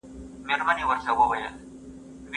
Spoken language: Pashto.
هر چا ته د زده کړې زمینه برابره کړئ.